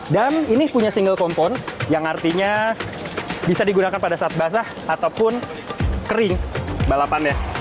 dan ini punya single compound yang artinya bisa digunakan pada saat basah ataupun kering balapannya